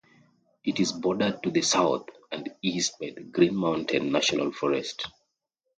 It is bordered to the south and east by the Green Mountain National Forest.